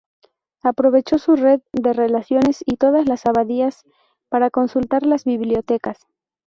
Aprovechó su red de relaciones y todas las abadías para consultar las bibliotecas.